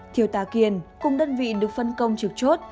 thiếu tá kiên cùng đơn vị được phân công trực chốt